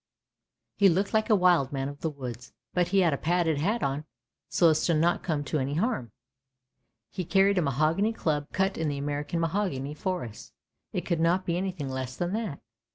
" He looked like a wild man of the woods, but he had a padded hat on so as not to come to any harm. He carried a mahogany club cut in the American mahogany forests. It could not be anything less than that.